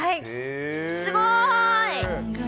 すごい。